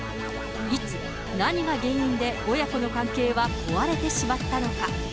いつ、何が原因で、親子の関係は壊れてしまったのか。